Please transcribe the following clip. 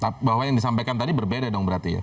pak bahwa yang disampaikan tadi berbeda dong berarti